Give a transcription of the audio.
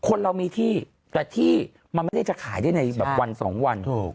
คนเรามีที่แต่ที่มันไม่ได้จะขายได้ในแบบวันสองวัน